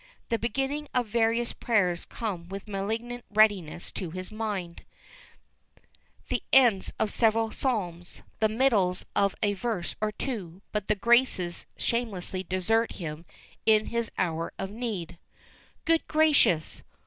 The beginning of various prayers come with malignant readiness to his mind, the ends of several psalms, the middles of a verse or two, but the graces shamelessly desert him in his hour of need. Good gracious!